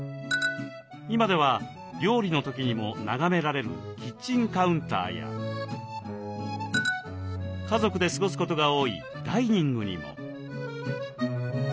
今では料理の時にも眺められるキッチンカウンターや家族で過ごすことが多いダイニングにも。